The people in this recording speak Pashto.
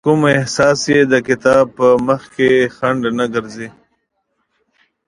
کوم احساس يې د کتاب په مخکې خنډ نه ګرځي.